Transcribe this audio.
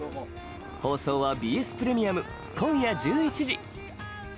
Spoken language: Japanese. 放送はＢＳプレミアム、今夜１１時。